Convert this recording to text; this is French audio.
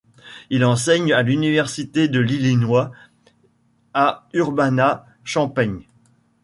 Il enseigne à l'Université de l'Illinois à Urbana-Champaign.